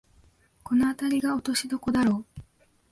このあたりが落としどころだろう